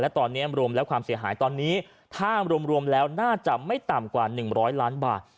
ตอนนี้รวมแล้วความเสียหายตอนนี้ถ้ารวมแล้วน่าจะไม่ต่ำกว่า๑๐๐ล้านบาท